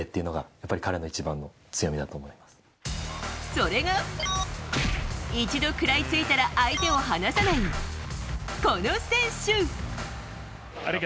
それが一度、食らいついたら相手を離さない、この選手！